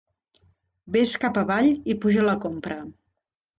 Vés cap avall i puja la compra.